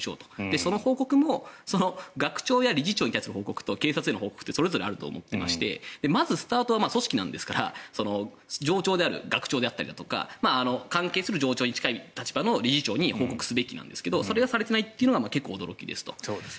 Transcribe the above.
その報告も学長や理事長に対する報告と警察への報告ってそれぞれあると思ってましてまずスタートは組織なんですから上長である学長であったりとか関係する上長に近い立場の理事長に報告すべきなんですがそれがされていないのが結構驚きですと。